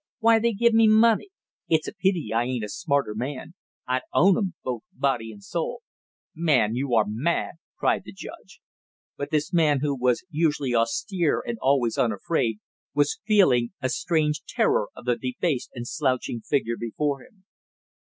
Why they give me money? It's a pity I ain't a smarter man! I'd own 'em, both body and soul!" "Man, you are mad!" cried the judge. But this man who was usually austere and always unafraid, was feeling a strange terror of the debased and slouching figure before him.